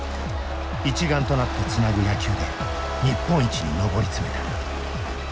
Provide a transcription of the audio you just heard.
一丸となってつなぐ野球で日本一に上り詰めた。